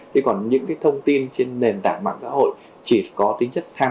thì còn những thông tin trên nền tảng mạng xã hội